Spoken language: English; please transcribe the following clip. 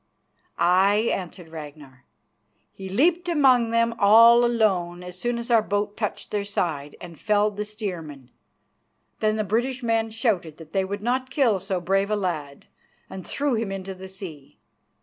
"Aye," answered Ragnar. "He leapt among them all alone as soon as our boat touched her side, and felled the steersman. Then the British men shouted out that they would not kill so brave a lad, and threw him into the sea.